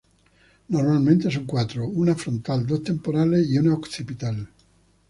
Normalmente son cuatro: una frontal, dos temporales y una occipital.